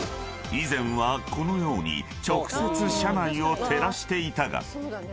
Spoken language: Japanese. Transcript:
以前はこのように直接車内を照らしていたが］